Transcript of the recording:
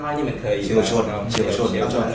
แค่น้อยนี่มันเคยอยู่แล้ว